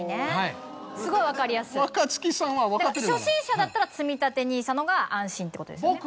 すごい分かりやすい初心者だったらつみたてＮＩＳＡのほうが安心ってことですよね？